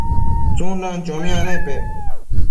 tsundan chomiac nepec